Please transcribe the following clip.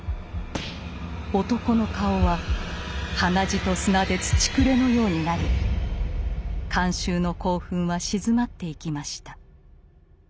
男の顔は鼻血と砂で「土くれ」のようになり観衆の興奮はしずまっていきました。